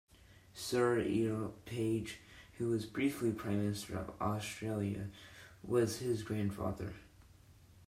Sir Earle Page, who was briefly Prime Minister of Australia, was his grandfather.